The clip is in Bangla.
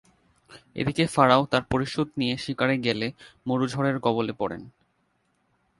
এদিকে ফারাও তার পরিষদ নিয়ে শিকারে গেলে মরু ঝড়ের কবলে পরেন।